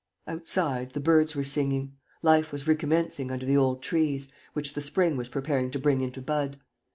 Outside, the birds were singing. Life was recommencing under the old trees, which the spring was preparing to bring into bud.